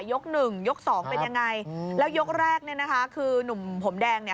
ยกหนึ่งยกสองเป็นยังไงแล้วยกแรกเนี่ยนะคะคือนุ่มผมแดงเนี่ย